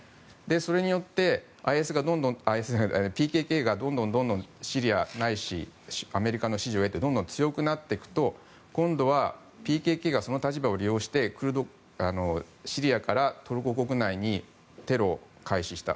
それによってＰＫＫがどんどんシリアないしアメリカの支持を得てどんどん強くなっていくと今度はＰＫＫがその立場を利用してシリアからトルコ国内にテロを開始した。